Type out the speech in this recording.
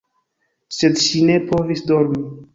Sed ŝi ne povis dormi.